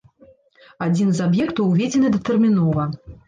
Адзін з аб'ектаў уведзены датэрмінова.